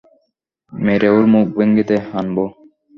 মেরে ওর মুখ ভেঙ্গে দে, আনবু!